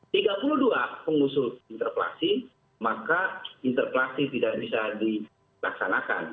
tiga puluh dua pengusul interpelasi maka interpelasi tidak bisa dilaksanakan